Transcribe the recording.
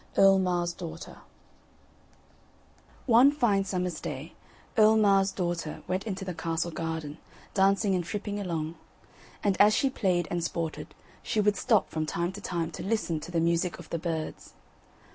EARL MAR'S DAUGHTER One fine summer's day Earl Mar's daughter went into the castle garden, dancing and tripping along. And as she played and sported she would stop from time to time to listen to the music of the birds.